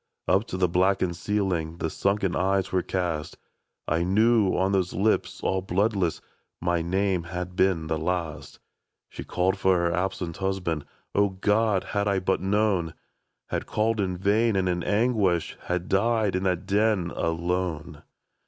" Up to the blackened ceiling The sunken eyes were cast — I knew on those lips all bloodless My name had been the last ; She 'd called for her absent husband — O Grod ! had I but known !— Had called in vain, and in anguish Had died in that den — alone.